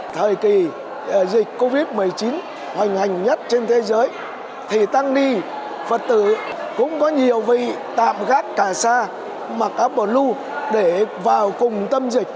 thời kỳ dịch covid một mươi chín hoành hành nhất trên thế giới thì tăng đi phật tử cũng có nhiều vị tạm gác cả xa mặc áp bổ lưu để vào cùng tâm dịch